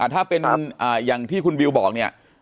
ถ้าเป็นอย่างที่คุณบิวบอกเนี่ย